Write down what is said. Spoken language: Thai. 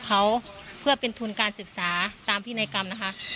เขาเพื่อเป็นทุนการศึกษาตามพินัยกรรมนะคะ